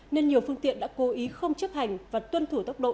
nên nhiều phương tiện đã cố ý không chấp hành và tuân thủ tốc độ